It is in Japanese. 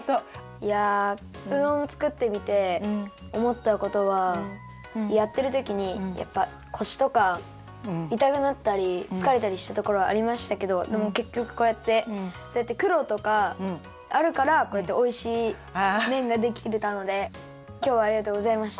いやうどんを作ってみておもったことはやっているときにこしとかいたくなったりつかれたりしたところはありましたけどでもけっきょくこうやってくろうとかあるからこうやっておいしいめんができたのできょうはありがとうございました。